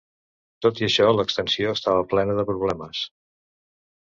Tot i això, l'extensió estava plena de problemes.